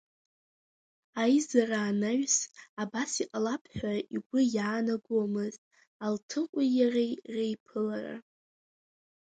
Аизара анаҩс абас иҟалап ҳәа игәы иаанагомызт Алҭыҟәи иареи реиԥылара.